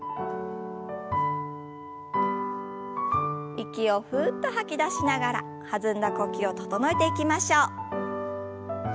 息をふっと吐き出しながら弾んだ呼吸を整えていきましょう。